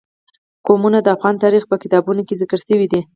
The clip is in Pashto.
قومونه د افغان تاریخ په کتابونو کې ذکر شوی دي.